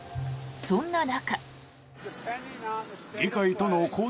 そんな中。